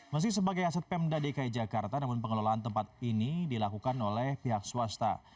meski sebagai aset pemda dki jakarta namun pengelolaan tempat ini dilakukan oleh pihak swasta